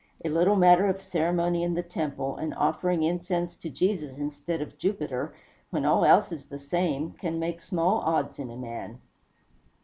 A little matter of ceremony in the temple, and offering incense to Jesus, instead of Jupiter, when all else is the same, can make small odds in a man."